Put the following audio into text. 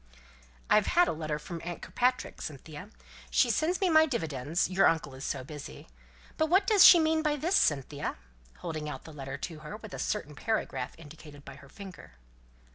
"I've had a letter from aunt Kirkpatrick, Cynthia. She sends me my dividends, your uncle is so busy. But what does she mean by this, Cynthia?" (holding out the letter to her, with a certain paragraph indicated by her finger).